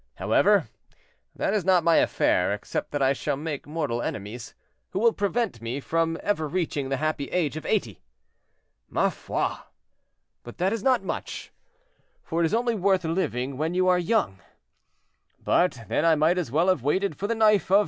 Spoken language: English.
However, that is not my affair, except that I shall make mortal enemies, who will prevent me from ever reaching the happy age of eighty. "Ma foi! but that is not much, for it is only worth living when you are young. But then I might as well have waited for the knife of M.